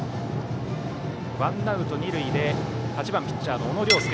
ワンアウト二塁で８番ピッチャーの小野涼介。